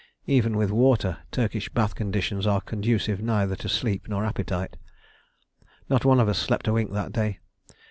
Even with water, Turkish bath conditions are conducive neither to sleep nor appetite. Not one of us slept a wink that day.